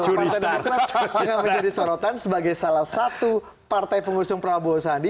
partai demokrat akan menjadi sorotan sebagai salah satu partai pengusung prabowo sandi